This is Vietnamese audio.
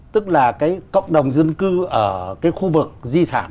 tức là cộng đồng dân cư ở khu vực di sản